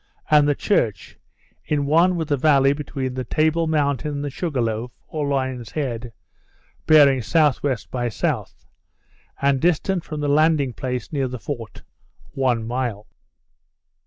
and the church, in one with the valley between the Table Mountain and the Sugar Loaf, or Lion's Head, bearing S.W. by S., and distant from the landing place near the fort, one mile.